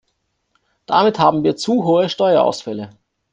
Damit haben wir zu hohe Steuerausfälle.